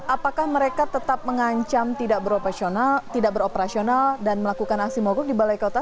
apakah mereka tetap mengancam tidak beroperasional dan melakukan aksi mogok di balai kota